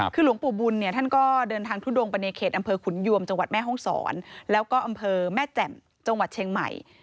คือหลวงปู่บุญเนี่ยท่านก็เดินทางทุดงไปในเขตอำเภอขุนยวมจังหวัดแม่ห้องศรแล้วก็อำเภอแม่แจ่มจังหวัดเชียงใหม่